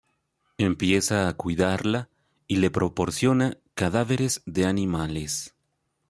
Empieza a cuidarla y le proporciona cadáveres de animales.